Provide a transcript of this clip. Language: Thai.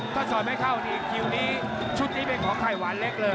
ถ้าสอดไม่เข้านี่คิวนี้ชุดนี้เป็นของไข่หวานเล็กเลย